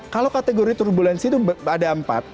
kalau kategori turbulensi itu ada empat